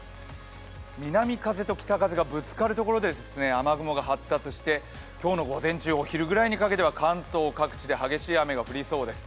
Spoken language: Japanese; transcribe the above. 南風と北風がぶつかるところで雨雲が発達して、今日の午前中、お昼ぐらいにかけては関東各地で激しい雨が降りそうです。